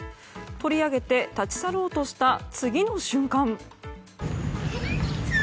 取り上げて立ち去ろうとした次の瞬間。